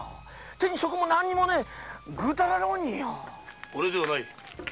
手に職も何にもねえぐうたら浪人よ！おれではない。